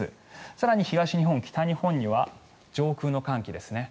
更に東日本、北日本には上空の寒気ですね。